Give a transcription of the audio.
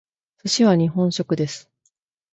寿司は日本食です。